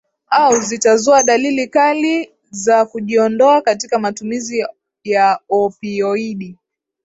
au zitazua dalili kali za kujiondoa katika matumizi ya opioidi